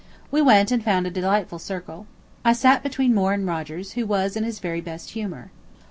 We went and found a delightful circle. I sat between Moore and Rogers, who was in his very best humor.